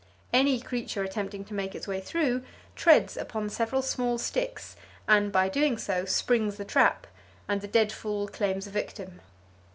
Any creature attempting to make its way through, treads upon several small sticks and [Page 200] by so doing springs the trap and the dead fall claims a victim.